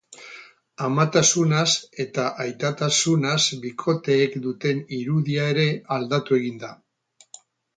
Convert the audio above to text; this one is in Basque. Amatasunaz eta aitatasunaz bikoteek duten irudia ere aldatu egin da.